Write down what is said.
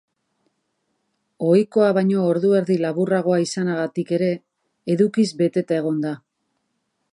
Ohikoa baino ordu erdi laburragoa izanagatik ere, edukiz beteta egongo da.